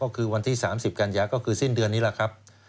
ก็คือวันที่๓๐กันยาก็คือสิ้นเดือนนี้แหละครับ